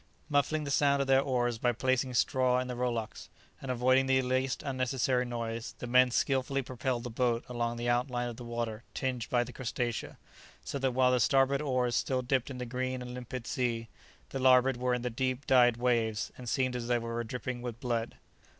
Muffling the sound of their oars by placing straw in the rowlocks, and avoiding the least unnecessary noise, the men skilfully propelled the boat along the outline of the water tinged by the crustacea, so that while the starboard oars still dipped in the green and limpid sea, the larboard were in the deep dyed waves, and seemed as though they were dripping with blood.